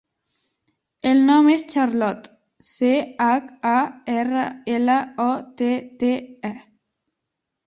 El nom és Charlotte: ce, hac, a, erra, ela, o, te, te, e.